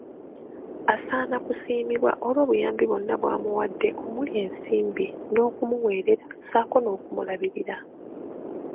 Asaana kusiimibwa olw'obuyambi bwonna bwamuwadde omuli ensimbi n'okumuweerera ssaako n'okumubuulirira.